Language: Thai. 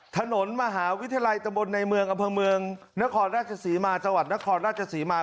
ถนนมหาวิทยาลัยตะบนในเมืองอำเภอเมืองนครราชศรีมาจังหวัดนครราชศรีมา